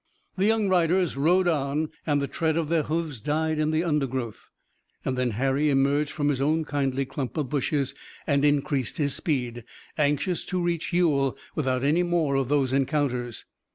The young riders rode on and the tread of their hoofs died in the undergrowth. Then Harry emerged from his own kindly clump of bushes and increased his speed, anxious to reach Ewell, without any more of those encounters.